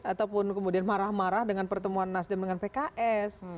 ataupun kemudian marah marah dengan pertemuan nasdem dengan pks